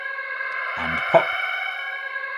And Pop!